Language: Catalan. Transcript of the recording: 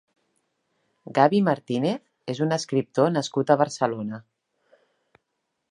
Gabi Martínez és un escriptor nascut a Barcelona.